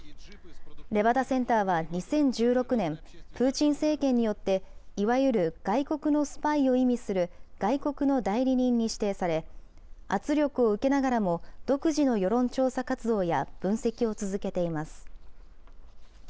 レバダセンターは２０１６年、プーチン政権によって、いわゆる外国のスパイを意味する外国の代理人に指定され、圧力を受けながらも独自の世論調査活動や分析を続けています。